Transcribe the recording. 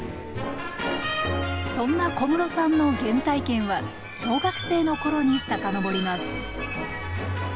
そんな小室さんの原体験は小学生の頃に遡ります